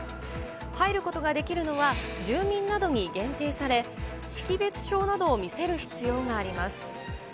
入ることができるのは、住民などに限定され、識別証などを見せる必要があります。